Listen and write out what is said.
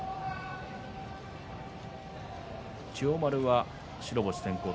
千代丸は白星先行。